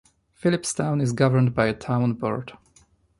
Philipstown is governed by a town board.